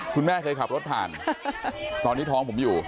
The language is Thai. คุณแม่เคยขับรถผ่านตอนนี้ท้องผมอยู่